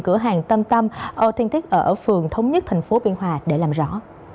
cửa hàng tâm tâm authentic ở phường thống nhất tp biên hòa để làm rõ